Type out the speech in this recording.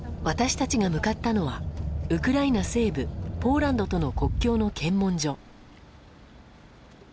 私たちが向かったのはウクライナ西部ポーランドとの国境の検問所。